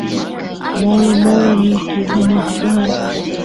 moro moro mishki sumaq kan